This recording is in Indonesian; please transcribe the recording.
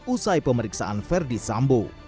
usai pemeriksaan verdi sambo